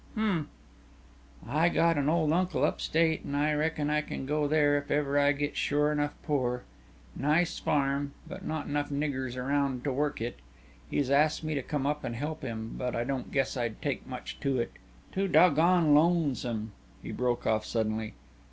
"Hm." "I got an old uncle up state an' I reckin I kin go up there if ever I get sure enough pore. Nice farm, but not enough niggers around to work it. He's asked me to come up and help him, but I don't guess I'd take much to it. Too doggone lonesome " He broke off suddenly.